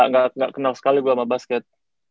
enggak enggak kenal sekali gue sama basket